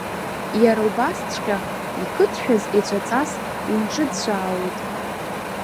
Иара убасҵәҟьа, икыдшәаз еҵәаҵас инҿыцәаауеит.